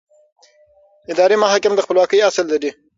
اداري محاکم د خپلواکۍ اصل لري.